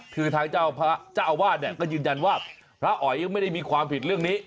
คือทางเจ้าอาวาสเนี่ยก็ยืนยันว่าพระอ๋อยยังไม่ได้มีความผิดเรื่องนี้